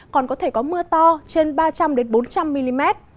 còn có thể có mưa to trên ba trăm linh bốn trăm linh mm